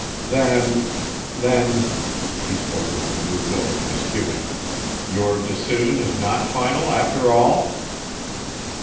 "Then then," he spoke with a new note of misgiving, "your decision is not final after all?"